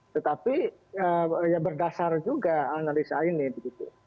tetapi ya berdasar juga analisa ini begitu